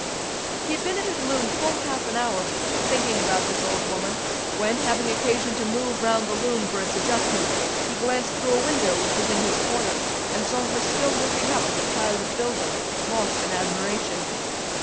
He had been at his loom full half an hour, thinking about this old woman, when, having occasion to move round the loom for its adjustment, he glanced through a window which was in his corner, and saw her still looking up at the pile of building, lost in admiration.